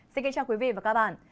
xin kính chào quý vị và các bạn